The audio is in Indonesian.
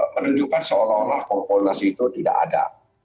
menunjukkan seolah olah kompolnas itu tidak ada